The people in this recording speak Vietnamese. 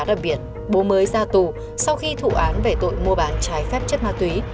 điều khá đặc biệt bố mới ra tù sau khi thụ án về tội mua bán trái phép chất ma túy